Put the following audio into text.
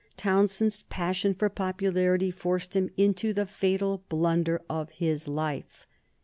Townshend's passion for popularity forced him into the fatal blunder of his life.